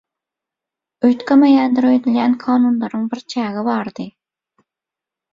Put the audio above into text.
Üýtgemeýändir öýdülýän kanunlaryň bir çägi bardy